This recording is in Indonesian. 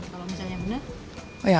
kalau misalnya mana